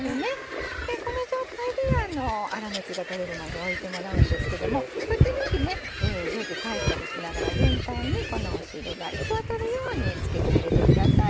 この状態で粗熱がとれるまで置いてもらうんですけども時々上下返したりしながら全体にこの汁が行き渡るようにつけてあげてください。